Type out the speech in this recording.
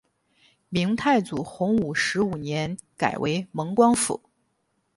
明太祖洪武十五年改为蒙光府。